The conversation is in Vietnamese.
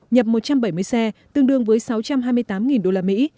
nhập một trăm bảy mươi xe tương đương với sáu trăm hai mươi tám usd